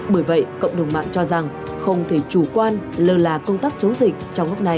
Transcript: bởi vậy cộng đồng mạng cho rằng không thể chủ quan lơ là công tác chống dịch trong lúc này